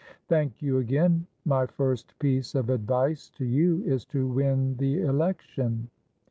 "Thank you, again. My first piece of advice to you is to win the election."